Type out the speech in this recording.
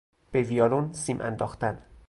به ویولن سیم انداختن